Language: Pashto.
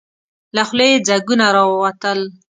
له خولې يې ځګونه راووتل.